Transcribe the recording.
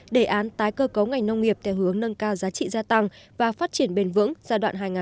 đề án tái cơ cấu ngành nông nghiệp theo hướng nâng cao giá trị gia tăng và phát triển bền vững giai đoạn hai nghìn một mươi sáu hai nghìn hai mươi